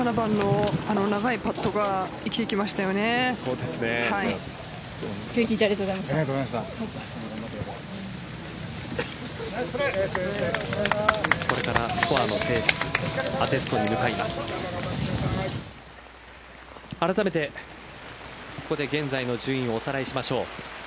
あらためてここで現在の順位をおさらいしましょう。